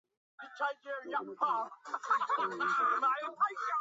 是为纪念宣统元年广东水师提督李准奉命率水师巡视西沙群岛而命名。